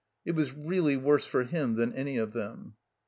It was really worse for him than any of them.